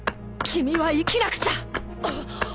君は生きなくちゃ！